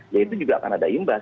ya itu juga akan ada imbas